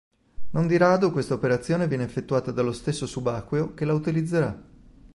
Non di rado questa operazione viene effettuata dallo stesso subacqueo che la utilizzerà.